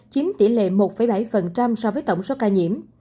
chiếm tỷ lệ một bảy so với tổng số ca nhiễm